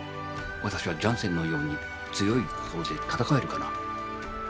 私はジャンセンのように強い心で闘えるかな。